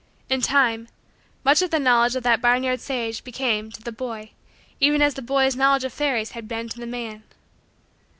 In time, much of the knowledge of that barnyard sage became, to the boy, even as the boy's knowledge of fairies had been to the man.